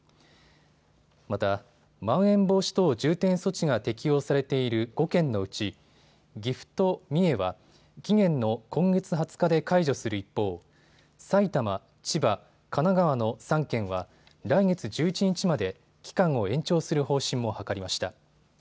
また、まん延防止等重点措置が適用されている５県のうち岐阜と三重は期限の今月２０日で解除する一方、埼玉、千葉、神奈川の３県は来月１１日まで期間を延長する方針も諮りました。